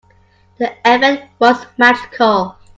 The effect was magical.